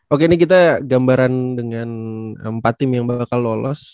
oke ini kita gambaran dengan empat tim yang bakal lolos